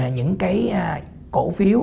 những cái cổ phiếu